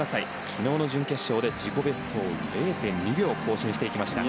昨日の準決勝で自己ベストを０．２秒更新していきました。